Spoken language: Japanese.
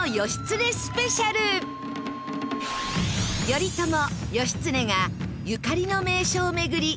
頼朝・義経がゆかりの名所を巡り